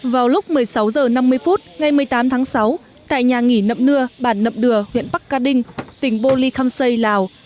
vào lúc một mươi sáu h năm mươi phút ngày một mươi tám tháng sáu tại nhà nghỉ nậm nưa bản nậm đùa huyện bắc ca đinh tỉnh bô ly khăm xây lào